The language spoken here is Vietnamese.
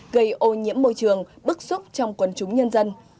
gây ô nhiễm môi trường bức xúc trong quần chúng nhân dân